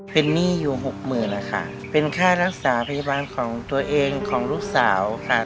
เป็นหนี้อยู่หกหมื่นนะคะเป็นค่ารักษาพยาบาลของตัวเองของลูกสาวค่ะ